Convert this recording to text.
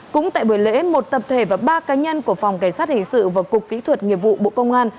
cũng tại buổi lễ một tập thể và ba cá nhân của phòng cảnh sát hình sự và cục kỹ thuật nghiệp vụ bộ công an